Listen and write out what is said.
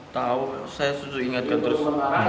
tahu saya ingatkan terus